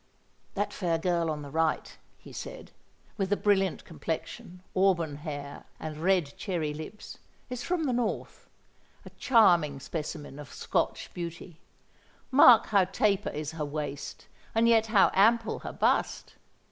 "That fair girl on the right," he said, "with the brilliant complexion, auburn hair, and red cherry lips, is from the north—a charming specimen of Scotch beauty. Mark how taper is her waist, and yet how ample her bust!